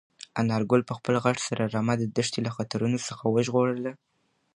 انارګل په خپل غږ سره رمه د دښتې له خطرونو څخه وژغورله.